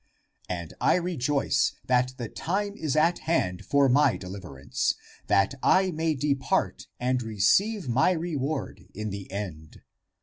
And I rejoice that the time is at hand for my deliverance, that I may depart and receive my reward in the end.